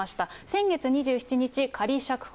先月２７日、仮釈放。